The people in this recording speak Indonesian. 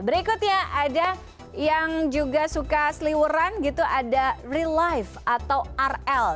berikutnya ada yang juga suka seliwuran gitu ada relief atau rl